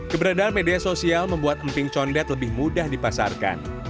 keberadaan media sosial membuat emping condet lebih mudah dipasarkan